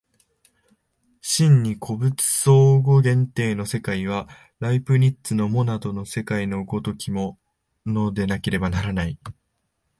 真に個物相互限定の世界は、ライプニッツのモナドの世界の如きものでなければならない。